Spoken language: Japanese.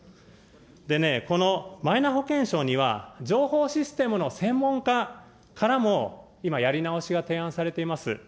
でね、このマイナ保険証には、情報システムの専門家からも今、やり直しが提案されています。